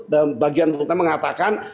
dan bagian menuntutnya mengatakan